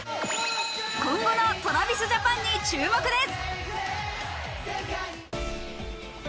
今後のＴｒａｖｉｓＪａｐａｎに注目です。